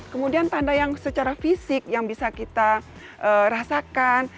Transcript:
kemudian tanda yang secara fisik yang bisa kita rasakan